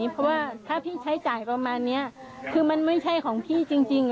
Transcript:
เพราะว่าถ้าพี่ใช้จ่ายประมาณนี้คือมันไม่ใช่ของพี่จริง